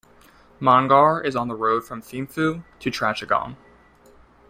Mongar is on the road from Thimphu to Trashigang.